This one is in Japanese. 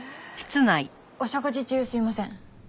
お食事中すいません。